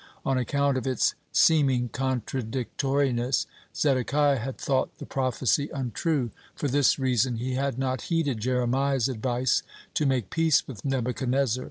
On account of its seeming contradictoriness, Zedekiah had thought the prophecy untrue. For this reason he had not heeded Jeremiah's advice to make peace with Nebuchadnezzar.